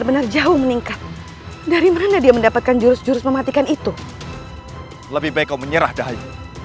berani berani ya kau membunuh jujunganku